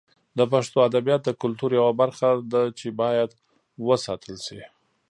د پښتو ادبیات د کلتور یوه برخه ده چې باید وساتل شي.